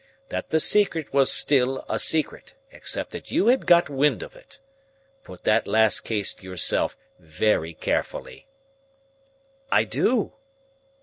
That the secret was still a secret, except that you had got wind of it. Put that last case to yourself very carefully." "I do."